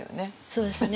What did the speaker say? そうですね。